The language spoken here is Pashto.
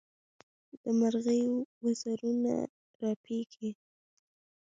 د مرغۍ وزرونه رپېږي.